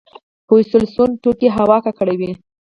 فوسیل سون توکي هوا ککړوي